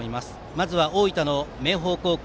まずは大分の明豊高校。